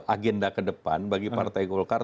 agenda ke depan bagi partai golkar